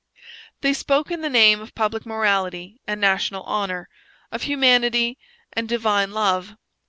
They spoke in the name of public morality and national honour, of humanity and divine love.